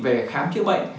về khám chữa bệnh